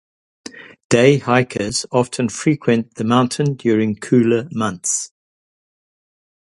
Day hikers often frequent the mountain during cooler months.